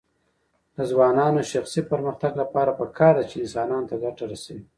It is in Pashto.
د ځوانانو د شخصي پرمختګ لپاره پکار ده چې انسانانو ته ګټه رسوي.